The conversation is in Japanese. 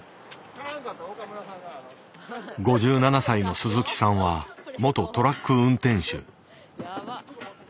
５７歳の鈴木さんは元トラック運転手。